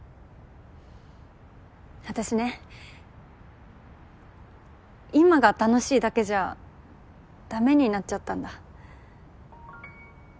私ね今が楽しいだけじゃ駄目になっちゃったんだ。